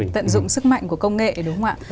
tận dụng sức mạnh của công nghệ đúng không ạ